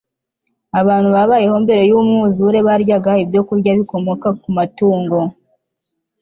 abantu babayeho mbere y'umwuzure baryaga ibyokurya bikomoka ku matungo